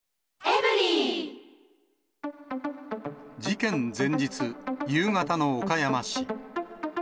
事件前日、夕方の岡山市。